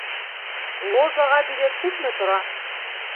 Ложаға билет күпме тора?